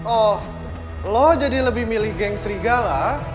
oh lo jadi lebih milih geng serigala